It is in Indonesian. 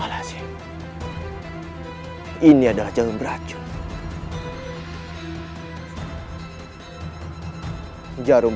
akhirnya keadaannya ada hubungan antara adanya dengan